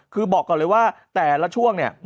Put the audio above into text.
คือบอกก่อนเลยว่าแต่ละช่วงเนี่ย